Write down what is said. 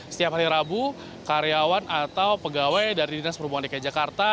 setiap hari rabu karyawan atau pegawai dari dinas perhubungan dki jakarta